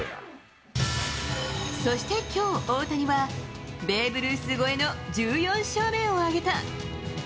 そして、きょう大谷は、ベーブ・ルース超えの１４勝目を挙げた。